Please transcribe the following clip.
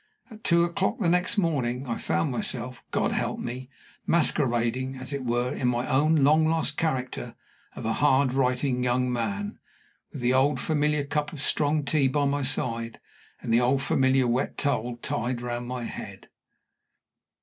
At two o'clock the next morning I found myself God help me! masquerading, as it were, in my own long lost character of a hard writing young man, with the old familiar cup of strong tea by my side, and the old familiar wet towel tied round my head.